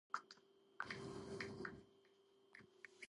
მდებარეობს მდინარე არაგვის მარჯვენა ნაპირზე, საქართველოს სამხედრო გზაზე.